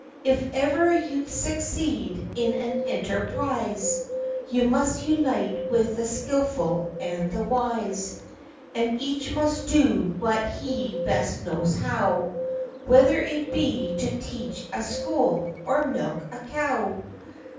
If ever you'd succeed in an enterprise, You must unite with the skilful and the wise ; And each must do what he best knows how, Whether it be to teach a school, or milk a cow.